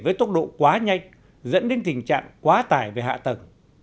với tốc độ quá nhanh dẫn đến tình trạng quá tải về hạ tầng